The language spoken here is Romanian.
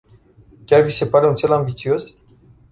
Chiar vi se pare un țel ambițios?